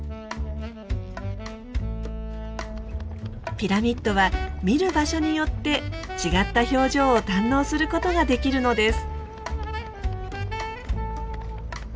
ピラミッドは見る場所によって違った表情を堪能することができるのです。